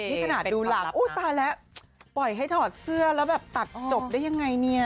นี่ขนาดดูหลังอุ้ยตายแล้วปล่อยให้ถอดเสื้อแล้วแบบตัดจบได้ยังไงเนี่ย